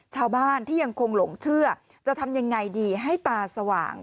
ชาวบ้านที่ยังคงหลงเชื่อจะทำยังไงดีให้ตาสว่าง